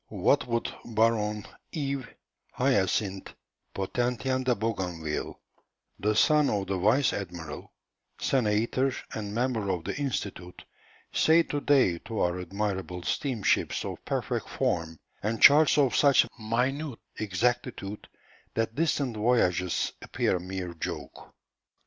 What would Baron Yves Hyacinth Potentien de Bougainville, the son of the vice admiral, senator, and member of the Institut, say to day to our admirable steamships of perfect form, and charts of such minute exactitude that distant voyages appear a mere joke.